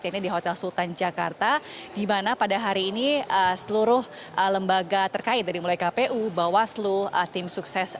ini di hotel sultan jakarta di mana pada hari ini seluruh lembaga terkait dari mulai kpu bawaslu tim sukses